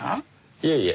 いえいえ